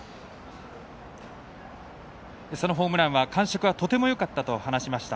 そのホームランは感触はとてもよかったと話しました。